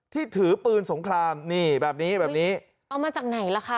ถือปืนสงครามนี่แบบนี้แบบนี้เอามาจากไหนล่ะคะ